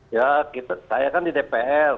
ya saya kan di dpr